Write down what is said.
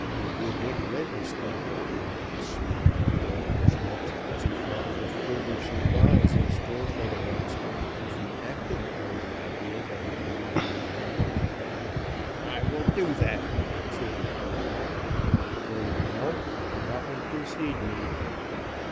Deadwood Dick read his thought. A smile curled his lips as he thought of the further surprise in store for the rascal if he acted upon the idea that had come into his mind. "I will do that," said the outlaw. "Very well, get up and precede me."